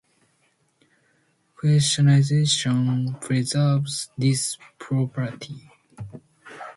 Quantization preserves this property.